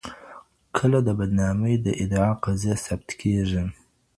کله د بدنامۍ د ادعا قضیه ثبت کیږي؟